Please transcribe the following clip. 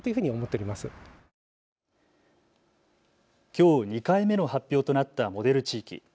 きょう２回目の発表となったモデル地域。